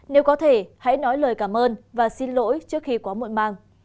nếu có thể hãy nói lời cảm ơn và xin lỗi trước khi quá muộn màng